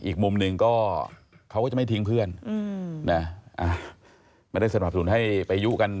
อีกมุมหนึ่งก็เขาก็จะไม่ทิ้งเพื่อนไม่ได้สนับสนุนให้ไปยุกัน